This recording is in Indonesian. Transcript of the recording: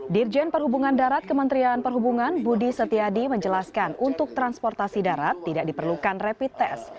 dirjen perhubungan darat kementerian perhubungan budi setiadi menjelaskan untuk transportasi darat tidak diperlukan rapid test